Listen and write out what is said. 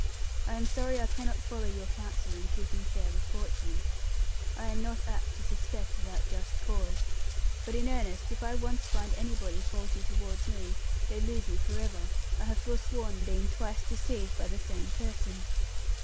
I am sorry I cannot follow your counsel in keeping fair with Fortune. I am not apt to suspect without just cause, but in earnest if I once find anybody faulty towards me, they lose me for ever; I have forsworn being twice deceived by the same person.